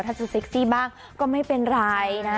ถ้าจะเซ็กซี่บ้างก็ไม่เป็นไรนะ